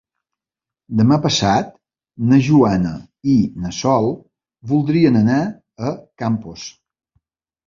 Demà passat na Joana i na Sol voldrien anar a Campos.